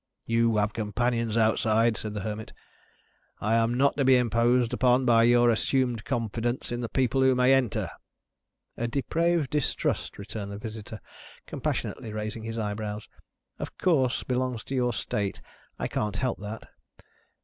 "You have companions outside," said the Hermit. "I am not to be imposed upon by your assumed confidence in the people who may enter." "A depraved distrust," returned the visitor, compassionately raising his eyebrows, "of course belongs to your state, I can't help that."